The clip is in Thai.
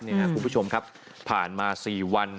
นี่ค่ะคุณผู้ชมครับผ่านมา๔วัน